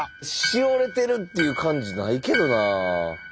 しおれてるっていう感じないけどな。